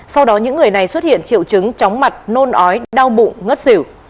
sau đó những người này xuất hiện triệu chứng chóng mặt nôn ói đau bụng ngất xỉu